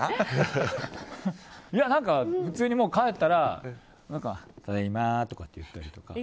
何か、普通に帰ったらただいまって言ったりとか。